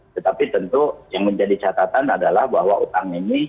tetapi tentu yang menjadi catatan adalah bahwa utang ini